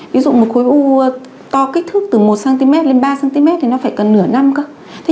ví dụ một khối u to to kích thước từ một cm lên ba cm thì nó phải cần nửa năm cơ